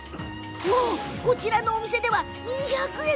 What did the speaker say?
こちらのお店では２００円！